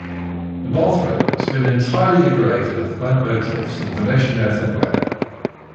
The bathroom has been entirely decorated with plant motifs on Venetian earthenware.